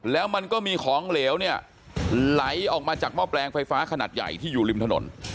แล้วมันก็มีของเหลวเนี่ยไหลออกมาจากหม้อแปลงไฟฟ้าขนาดใหญ่ที่อยู่ริมถนน